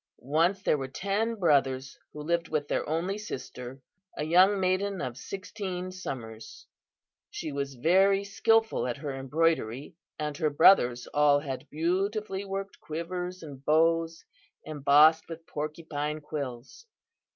"Once there were ten brothers who lived with their only sister, a young maiden of sixteen summers. She was very skilful at her embroidery, and her brothers all had beautifully worked quivers and bows embossed with porcupine quills.